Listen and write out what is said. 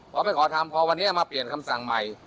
พอไปขอทำพอวันนี้มาเปลี่ยนคำสั่งใหม่